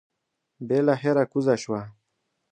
بلاخره کوزه شوه.